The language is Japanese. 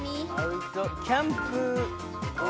キャンプ。